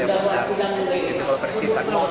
ya pertanyaan sunda empire